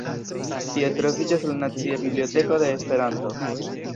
Tie troviĝas la Nacia Biblioteko de Esperanto.